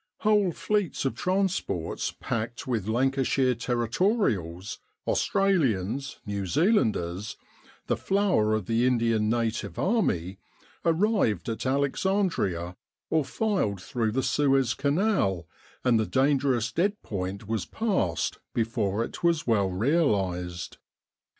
Whole fleets of transports, packed with Lancashire Territorials, Australians, New Zealanders, the flower of the Indian Native Army, arrived at Alexandria or filed through the Suez Canal, and the dangerous dead point was passed before it was well realised.